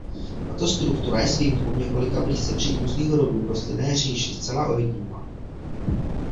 Tato struktura je s výjimkou několika blízce příbuzných rodů v rostlinné říši zcela ojedinělá.